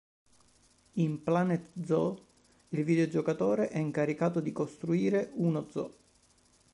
In "Planet Zoo" il videogiocatore è incaricato di costruire uno zoo.